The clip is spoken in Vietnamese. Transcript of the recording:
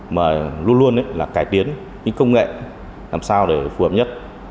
mà luôn luôn là cải tiến những công nghệ làm sao để phù hợp nhất